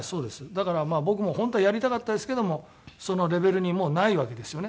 だから僕も本当はやりたかったですけどもそのレベルにもうないわけですよね。